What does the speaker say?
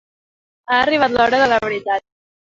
Ha arribat l'hora de la veritat.